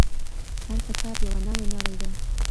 هر کتاب يوه نوې نړۍ ده.